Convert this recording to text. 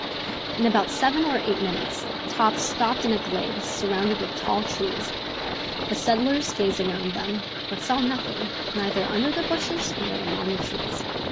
In about seven or eight minutes Top stopped in a glade surrounded with tall trees. The settlers gazed around them, but saw nothing, neither under the bushes nor among the trees.